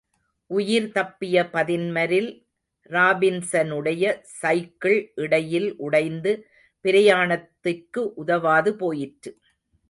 உயிர்தப்பிய பதின்மரில் ராபின்ஸனுடைய cycle இடையில் உடைந்து பிரயாணத்திற்கு உதவாது போயிற்று.